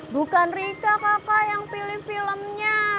bukan rika kakak yang pilih filmnya